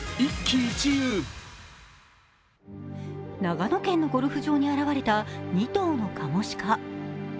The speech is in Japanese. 長野県のゴルフ場に現れた２頭のカモシカ。